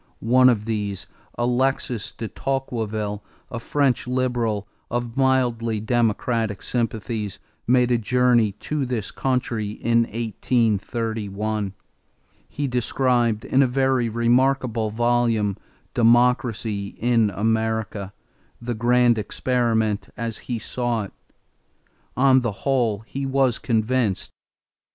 One of these, Alexis de Tocqueville, a French liberal of mildly democratic sympathies, made a journey to this country in 1831; he described in a very remarkable volume, Democracy in America, the grand experiment as he saw it. On the whole he was convinced.